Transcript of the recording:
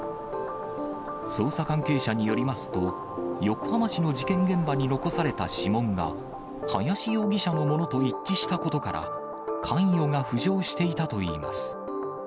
捜査関係者によりますと、横浜市の事件現場に残された指紋が、林容疑者のものと一致したことから関与が浮上していたといいます。